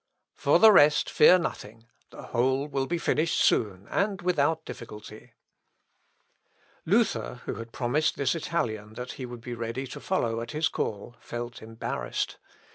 For the rest fear nothing; the whole will be finished soon, and without difficulty." Ibid., p. 130. Luther, who had promised this Italian that he would be ready to follow at his call, felt embarrassed.